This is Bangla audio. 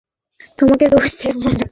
তোমাকে দোষ দেব না।